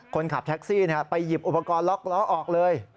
คนขับแท็กซี่ไปหยิบอุปกรณ์ล็อกล้อออกเลย